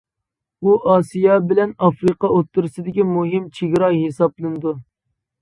ئۇ ئاسىيا بىلەن ئافرىقا ئوتتۇرىسىدىكى مۇھىم چېگرا ھېسابلىنىدۇ.